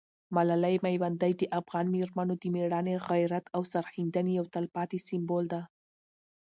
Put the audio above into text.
ملالۍ میوندۍ د افغان مېرمنو د مېړانې، غیرت او سرښندنې یو تلپاتې سمبول ده.